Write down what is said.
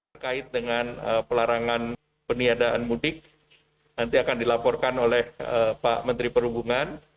terkait dengan pelarangan peniadaan mudik nanti akan dilaporkan oleh pak menteri perhubungan